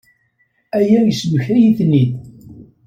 Aya yesmektay-iyi-ten-id.